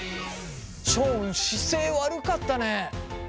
ション姿勢悪かったね。